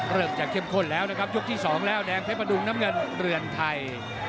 เริ่มจะเข้มข้นแล้วนะครับยกที่๒แล้วแดงเพชรประดุงน้ำเงินเรือนไทย